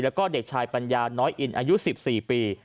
แล้วก็เด็กชายปัญญาน้อยอินอายุ๑๔ปี